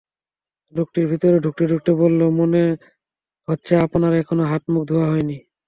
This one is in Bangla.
লোকটি ভেতরে ঢুকতে-ঢুকতে বলল, মনে হচ্ছে আপনার এখনো হাত-মুখ ধোয়া হয় নি।